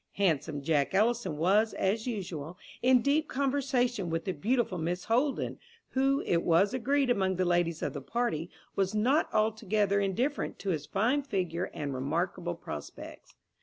Handsome Jack Ellison was, as usual, in deep conversation with the beautiful Miss Holden, who, it was agreed among the ladies of the party, was not altogether indifferent to his fine figure and remarkable prospects.